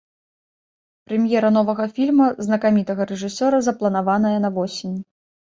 Прэм'ера новага фільма знакамітага рэжысёра запланаваная на восень.